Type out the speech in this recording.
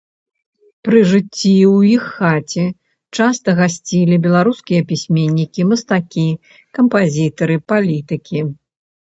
Пры жыцці ў іх хаце часта гасцілі беларускія пісьменнікі, мастакі, кампазітары, палітыкі.